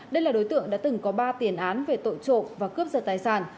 đây là đối tượng đã từng có ba tiền án về tội trộm và cướp giật tài sản